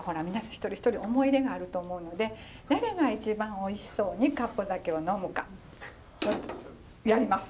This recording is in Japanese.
一人一人思い入れがあると思うので誰が一番おいしそうにカップ酒を呑むかをやります。